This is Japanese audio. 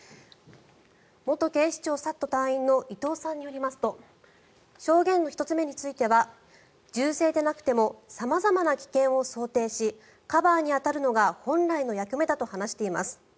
元警視庁ＳＡＴ隊員の伊藤さんによりますと証言の１つ目については銃声でなくても様々な危険を想定しカバーに当たるのが本来の役目だと話しています。